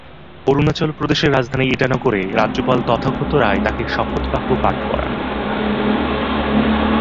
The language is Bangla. অরুণাচল প্রদেশের রাজধানী ইটানগরে রাজ্যপাল তথাগত রায় তাঁকে শপথবাক্য পাঠ করান।